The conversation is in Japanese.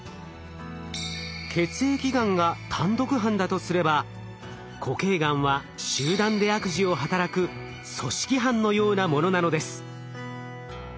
血液がんが単独犯だとすれば固形がんは集団で悪事を働く組織犯のようなものなのです。